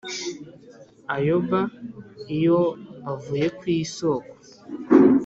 Ayoba iyo avuye ku isoko